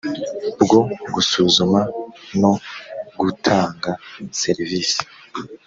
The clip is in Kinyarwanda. bwo gusuzuma no gutanga serivisi